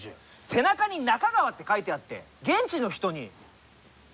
背中に「中川」って書いてあって現地の人に。